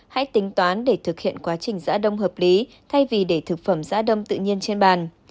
hãy tính toán để thực hiện quá trình giã đông hợp lý thay vì để thực phẩm giã đông tự nhiên trên bàn